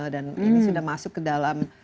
dan ini sudah masuk ke dalam